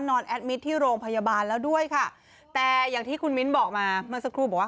แอดมิตรที่โรงพยาบาลแล้วด้วยค่ะแต่อย่างที่คุณมิ้นบอกมาเมื่อสักครู่บอกว่า